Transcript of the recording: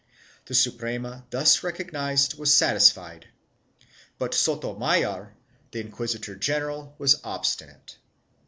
The Suprema thus recognized was satisfied, but Soto mayor, the inquisitor general, was obstinate.